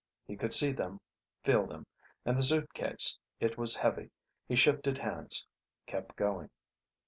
He could see them, feel them. And the suitcase. It was heavy; he shifted hands, kept going.